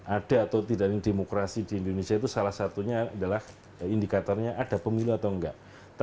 ada atau tidaknya demokrasi di indonesia itu salah satunya adalah indikatornya ada pemilu atau enggak